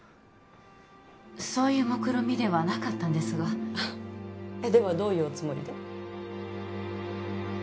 そういう目論見ではなかったんですがではどういうおつもりで？